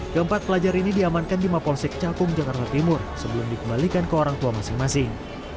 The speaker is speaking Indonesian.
keempat pelajar ini diamankan di mapolsek cakung jakarta timur sebelum dikembalikan ke orang tua masing masing